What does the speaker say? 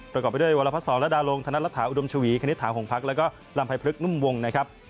รวมกับไปด้วยวรภาพสองศ์และดารงศ์ธนรษฐออุดมชาวีคณิตฐาหงพักและก็ลำไพพลึกนุ่มวงนะครับ